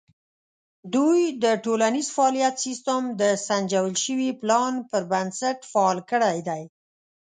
دوی د ټولنیز فعالیت سیستم د سنجول شوي پلان پر بنسټ فعال کړی دی.